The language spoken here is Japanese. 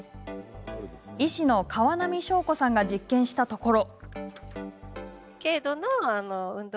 医師の川波祥子さんが実験したところ。